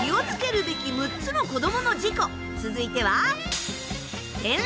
続いては。